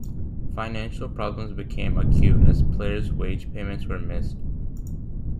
Financial problems became acute, as player's wage payments were missed.